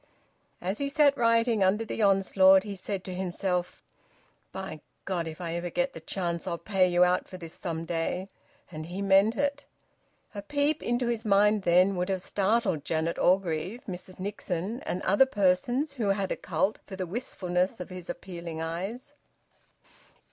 As he sat writing under the onslaught, he said to himself, "By God! If ever I get the chance, I'll pay you out for this some day!" And he meant it. A peep into his mind, then, would have startled Janet Orgreave, Mrs Nixon, and other persons who had a cult for the wistfulness of his appealing eyes.